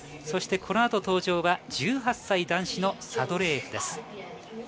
そしてこのあと登場は１８歳、男子のサドレーエフ。